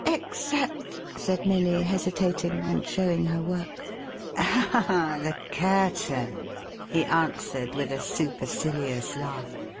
"Except —" said Milly, hesitating, and showing her work. " Oh ! the curtain," he answered, with a supercilious laugh.